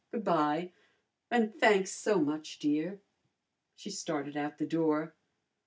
Good bye. And thanks so much, dear." She started out the door.